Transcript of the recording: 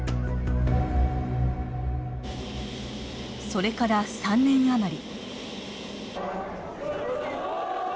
それから３年余り。